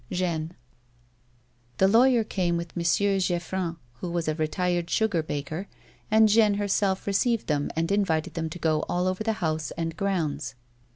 Jeanne." The lawyer came with M. JeofFiin, who was a retired 218 A WOMAN'S LIFE. sugar baker, and Jeanne herself received them, and invited them to go all over the house and grounds.